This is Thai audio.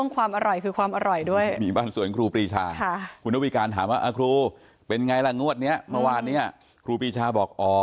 ความอร่อยคือความอร่อยครับ